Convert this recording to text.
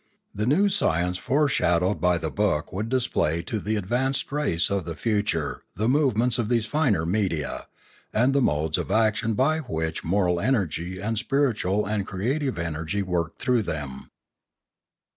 The new science foreshadowed by the book would display to the advanced race of the future the movements of these finer media, and the modes of action by which moral energy and spiritual and creative energy worked through them.